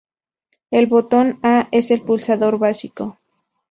El botón A es el pulsador básico.